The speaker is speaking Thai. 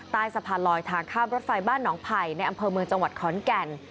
ใต้สะพานลอยทางข้ามรถไฟบ้านหนองไผ่ในอำเภอเมืองจังหวัดขอนแก่น